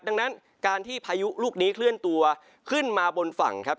ดังนั้นการที่พายุลูกนี้เคลื่อนตัวขึ้นมาบนฝั่งครับ